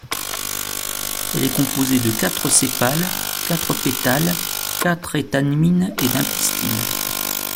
Elle est composée de quatre sépales, quatre pétales, quatre étamines et d'un pistil.